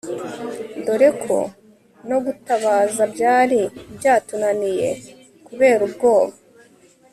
doreko no gutabaza byari byatunabiye kuberubwoba